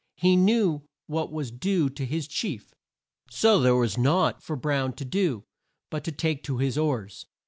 He knew what was due to his chief. So there was naught for Brown to do but to take to his oars.